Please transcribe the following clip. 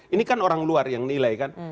ini kan orang luar yang nilai kan